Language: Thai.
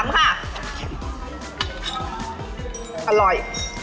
อร่อย